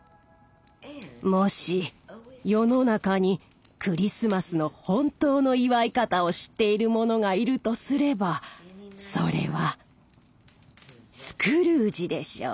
もし世の中にクリスマスの本当の祝い方を知っている者がいるとすればそれはスクルージでしょう。